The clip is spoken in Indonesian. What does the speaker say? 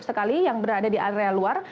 sekali yang berada di area luar